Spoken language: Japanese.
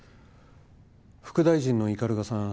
副大臣の斑鳩さん